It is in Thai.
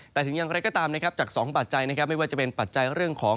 แต่ถึงอย่างไรก็ตามนะครับจาก๒ปัจจัยนะครับไม่ว่าจะเป็นปัจจัยเรื่องของ